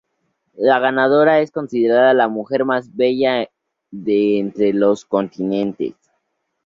La ganadora es considerada "la mujer más bella de entre los Continentes".